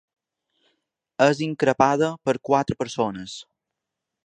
És increpada per quatre persones.